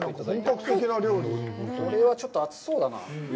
これはちょっと熱そうだな。